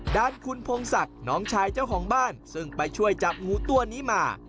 ด้านคุณพงศักดิ์น้องชายเจ้าของบ้านซึ่งไปช่วยจับงูตัวนี้มา